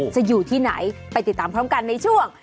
อยู่ที่ไหนไปติดตามพร้อมกันในช่วง